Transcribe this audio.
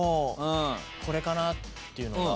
これかな？っていうのが。